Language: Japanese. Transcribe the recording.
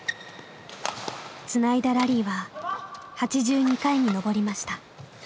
つないだラリーは８２回に上りました。